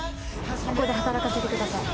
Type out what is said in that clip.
ここで働かせてください。